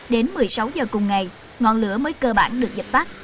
đến một mươi sáu giờ cùng ngày ngọn lửa mới cơ bản được dịch tắt